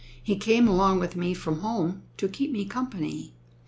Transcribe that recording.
He came along with me from home To keep me company.